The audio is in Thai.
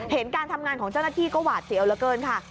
การทำงานของเจ้าหน้าที่ก็หวาดเสียวเหลือเกินค่ะ